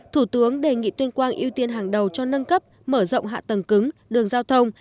thủ tướng đề nghị tuyên quang ưu tiên hàng đầu cho nâng cấp mở rộng hạ tầng cứng đường giao thông